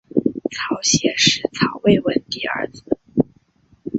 曹协是曹魏文帝儿子。